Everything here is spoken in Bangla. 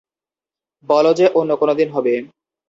বল যে অন্য কোনোদিন হবে।